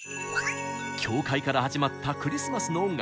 教会から始まったクリスマスの音楽。